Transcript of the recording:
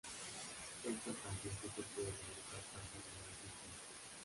Estas tangentes se pueden agrupar para formar un círculo.